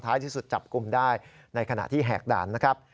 ที่สุดจับกลุ่มได้ในขณะที่แหกด่านนะครับ